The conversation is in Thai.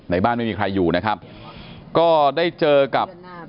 บ้านไม่มีใครอยู่นะครับก็ได้เจอกับ